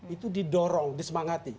itu didorong disemangati